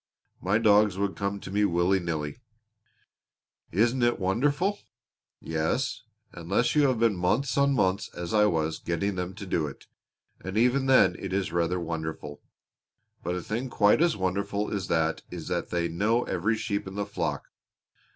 My dogs would come to me willy nilly." "Isn't it wonderful?" "Yes, unless you have been months and months, as I was, getting them to do it; and even then it is rather wonderful. But a thing quite as wonderful as that is that they know every sheep in the flock.